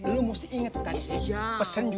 takar teker takar teker lho